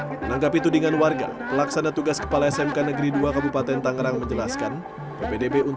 menanggapi tudingan warga pelaksana tugas kepala smk negeri dua kabupaten tangerang menjelaskan ppdb